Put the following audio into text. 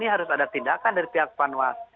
harus ada tindakan dari pihak panwas